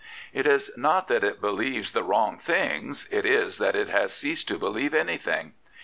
It is not that it believes the wrong things: it is that it has ceased to believe anything.